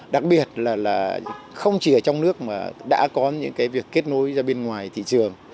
đặc biệt là không chỉ ở trong nước mà đã có những việc kết nối ra bên ngoài thị trường